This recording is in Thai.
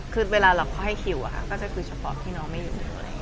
คือเวลาเราค่อยคิวอะคัก็จะคือเฉพาะที่น้องไม่อยู่อะไรอย่างงี้